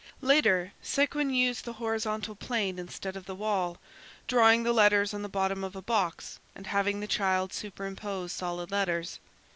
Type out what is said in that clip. Later, Séguin used the horizontal plane instead of the wall, drawing the letters on the bottom of a box and having the child superimpose solid letters.